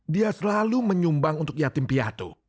dia selalu menyumbang untuk yatim piatu